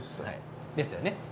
はいですよね？